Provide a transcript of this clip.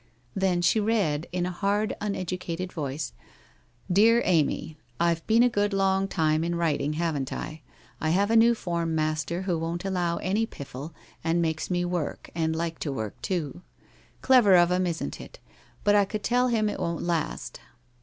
Then she read, in a hard, uneducated voice :* Bear A my, 'I've been a good long time in writing, haven't If I have a new form master who won't allow any piffle and makes me work, and like to work, too. Clever of him, isn't it? But I could tell him it won't last.